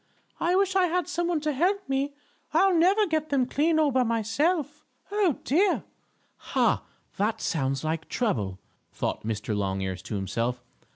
I wish I had some one to help me. I'll never get them clean all by myself. Oh, dear!" "Ha! That sounds like trouble!" thought Mr. Longears to himself.